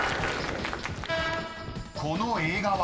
［この映画は？］